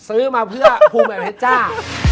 ซื้อมาเพื่อภูมิแอลเทศจ้า